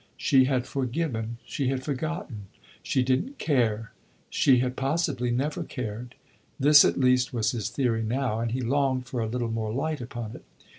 She had forgiven, she had forgotten, she did n't care, she had possibly never cared! This, at least, was his theory now, and he longed for a little more light upon it.